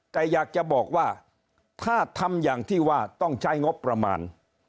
แต่อยากจะบอกว่าถ้าทำอย่างที่ว่าต้องใช้งบประมาณ